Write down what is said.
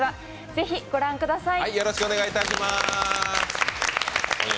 ぜひ御覧ください。